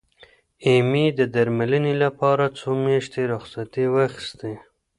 ایمي د درملنې لپاره څو میاشتې رخصتي واخستې.